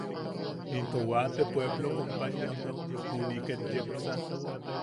Into waate pueplo companyiammeu juniʼi ket yepsa.